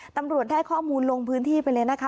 ตำรวจได้ข้อมูลลงพื้นที่ไปเลยนะคะ